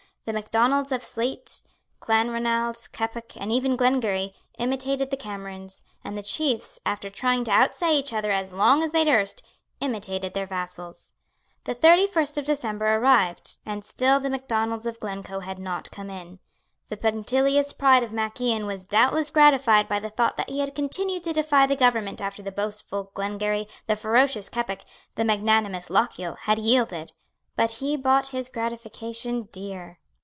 The Macdonalds of Sleat, Clanronald, Keppoch, and even Glengarry, imitated the Camerons; and the chiefs, after trying to outstay each other as long as they durst, imitated their vassals. The thirty first of December arrived; and still the Macdonalds of Glencoe had not come in. The punctilious pride of Mac Ian was doubtless gratified by the thought that he had continued to defy the government after the boastful Glengarry, the ferocious Keppoch, the magnanimous Lochiel had yielded: but he bought his gratification dear.